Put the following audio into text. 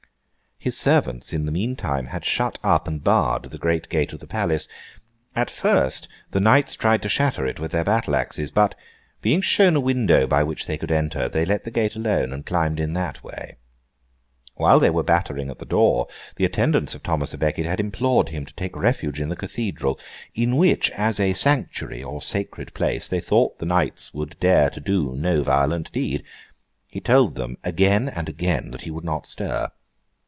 His servants, in the meantime, had shut up and barred the great gate of the palace. At first, the knights tried to shatter it with their battle axes; but, being shown a window by which they could enter, they let the gate alone, and climbed in that way. While they were battering at the door, the attendants of Thomas à Becket had implored him to take refuge in the Cathedral; in which, as a sanctuary or sacred place, they thought the knights would dare to do no violent deed. He told them, again and again, that he would not stir.